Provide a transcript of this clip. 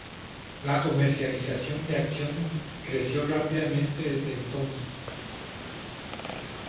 La comercialización de acciones creció rápidamente desde entonces.